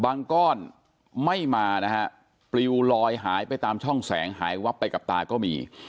ก้อนไม่มานะฮะปลิวลอยหายไปตามช่องแสงหายวับไปกับตาก็มี